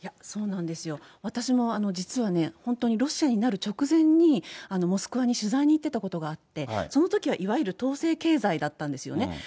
そうなんですよ、私も実はね、本当にロシアになる直前に、モスクワに取材に行ってたことがあって、そのときはいわゆる、統制経済だったんですよね。